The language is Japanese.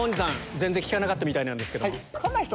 全然効かなかったみたいなんですけど。